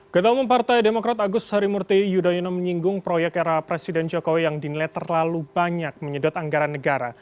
ketua umum partai demokrat agus harimurti yudhoyono menyinggung proyek era presiden jokowi yang dinilai terlalu banyak menyedot anggaran negara